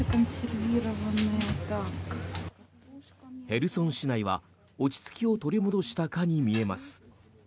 ヘルソン市内は落ち着きを取り戻したかに見えます。